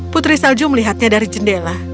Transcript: putri salju melihatnya dari jendela